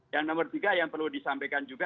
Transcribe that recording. yang nomor tiga yang perlu disampaikan juga